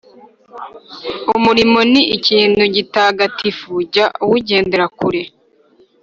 Umurimo ni ikintu gitagatifu jya uwugendera kure.